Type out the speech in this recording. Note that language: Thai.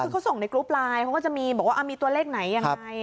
คือเขาส่งในกรุ๊ปไลน์เขาก็จะมีบอกว่ามีตัวเลขไหนยังไง